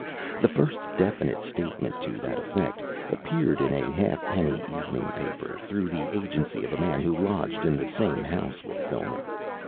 The first definite statement to that effect appeared in a halfpenny evening paper through the agency of a man who lodged in the same house with Filmer.